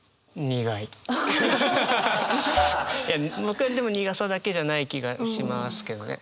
僕はでも苦さだけじゃない気がしますけどね。